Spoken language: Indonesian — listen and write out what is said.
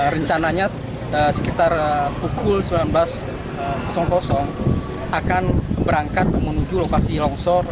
rencananya sekitar pukul sembilan belas akan berangkat menuju lokasi longsor